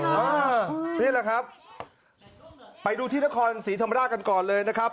นี่แหละครับไปดูที่นครศรีธรรมราชกันก่อนเลยนะครับ